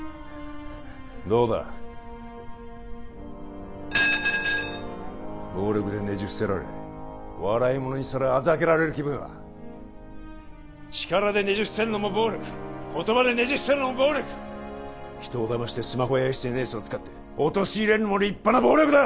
どうだ暴力でねじ伏せられ笑いものにされあざけられる気分は力でねじ伏せるのも暴力言葉でねじ伏せるのも暴力人をだましてスマホやＳＮＳを使って陥れるのも立派な暴力だ！